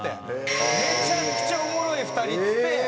めちゃくちゃおもろい２人っつって。